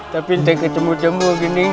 tapi tidak ketemu temu